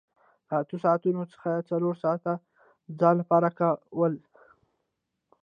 له اتو ساعتونو څخه یې څلور ساعته د ځان لپاره کول